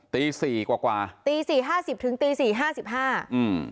ตีสี่กว่ากว่าตีสี่ห้าสิบถึงตีสี่ห้าสิบห้าอืม